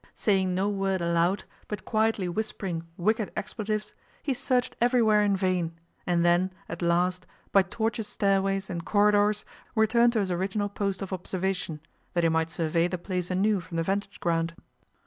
Saying no word aloud, but quietly whispering wicked expletives, he searched everywhere in vain, and then, at last, by tortuous stairways and corridors returned to his original post of observation, that he might survey the place anew from the vantage ground.